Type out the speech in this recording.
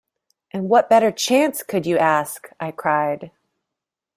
“And what better chance could you ask?” I cried.